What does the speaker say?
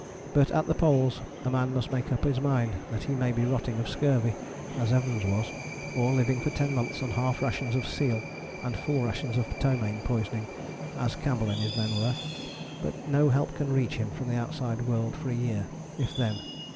But at the Poles a man must make up his mind that he may be rotting of scurvy (as Evans was) or living for ten months on half rations of seal and full rations of ptomaine poisoning (as Campbell and his men were) but no help can reach him from the outside world for a year, if then.